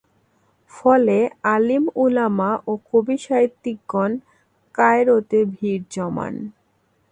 ফলে আলিম-উলামা ও কবি-সাহিত্যিকগণ কায়রোতে ভিড় জমান।